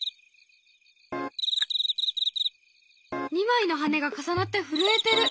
２枚の羽が重なって震えてる！